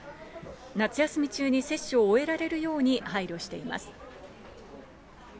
夏休み中に接種を終えられるように配慮しています。